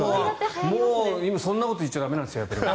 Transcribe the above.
もう今、そんなこと言っちゃ駄目なんですよ。